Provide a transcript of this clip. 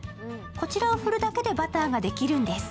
こちらを振るだけでバターができるんです。